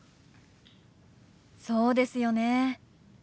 そうですよね。